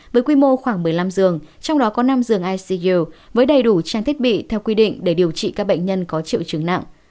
với quy mô khoảng một mươi năm giường trong đó có năm giường icg với đầy đủ trang thiết bị theo quy định để điều trị các bệnh nhân có triệu chứng nặng